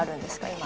今。